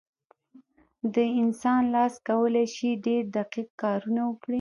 د انسان لاس کولی شي ډېر دقیق کارونه وکړي.